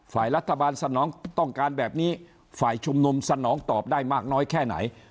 ฝ่ายรัฐบาลสนองต้องการแบบนี้ฝ่ายชุมนุมสนองตอบได้มากน้อยแค่ไหน